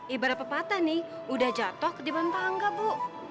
ibarat pepatah nih udah jatoh ke depan tangga bu